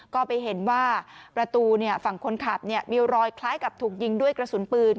ก็ไปเห็นว่าประตูฝั่งคนขับมีรอยคล้ายกับถูกยิงด้วยกระสุนปืน